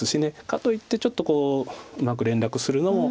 かといってちょっとうまく連絡するのも。